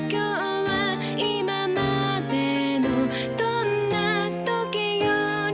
เข้ามาเรื่องแต่งงานเลยละกัน